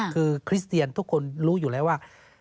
คือคริสเตียนทุกคนรู้อยู่แล้วว่า